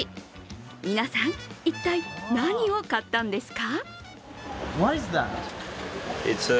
皆さん、一体何を買ったんですか？